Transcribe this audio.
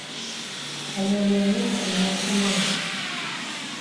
Але ў мяне гэта не атрымалася.